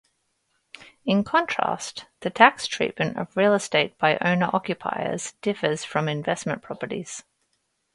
In contrast, the tax treatment of real estate by owner-occupiers differs from investment properties.